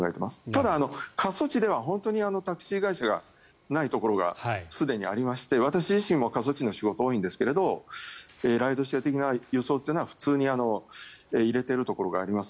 ただ、過疎地では本当にタクシー会社がないところがすでにありまして私自身も過疎地の仕事が多いんですがライドシェア予想というのは普通は入れているところがあります。